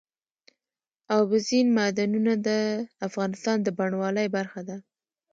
اوبزین معدنونه د افغانستان د بڼوالۍ برخه ده.